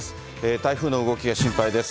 台風の動きが心配です。